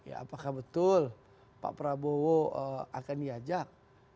apakah betul pak prabowo akan diajak